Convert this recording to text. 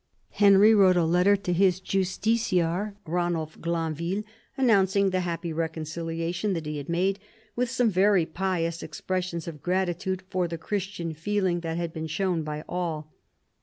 Henry wrote a letter to his justiciar, Eanulf Glanville, announcing the happy reconciliation that he had made, with some very pious expressions of gratitude for the Christian feeling that had been shown by all.